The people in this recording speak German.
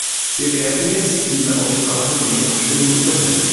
Wir werden jetzt diese Aussprache für die Abstimmung unterbrechen.